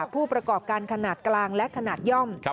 ผู้ประกอบการขนาดกลางและขนาดย่อม